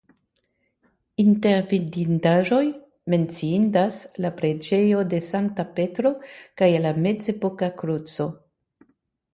Inter vidindaĵoj menciindas la preĝejo de Sankta Petro kaj la mezepoka kruco.